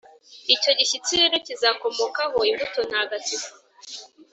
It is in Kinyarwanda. Icyo gishyitsi rero, kizakomokaho imbuto ntagatifu.»